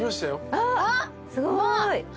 あっすごい！